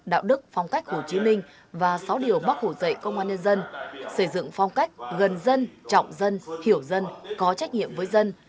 đạo đức phong cách hồ chí minh và sáu điều bác hồ dạy công an nhân dân xây dựng phong cách gần dân trọng dân hiểu dân có trách nhiệm với dân